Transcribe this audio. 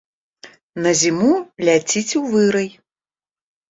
На зіму ляціць у вырай.